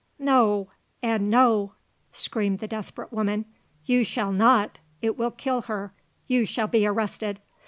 no! and no!" screamed the desperate woman. "You shall not! It will kill her! You shall be arrested!